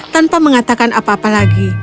dan sudah waktunya untuk mengumumkan pemenangnya